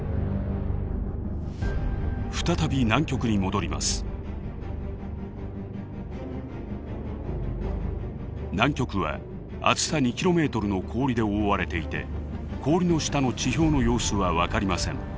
南極は厚さ２キロメートルの氷で覆われていて氷の下の地表の様子は分かりません。